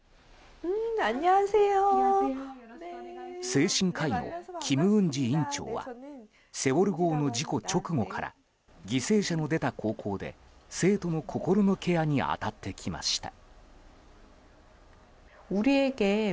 精神科医のキム・ウンジ院長は「セウォル号」の事故直後から犠牲者の出た高校で生徒の心のケアに当たってきました。